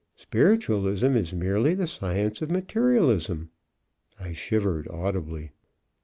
Spiritualism is merely the science of materialism." I shivered audibly.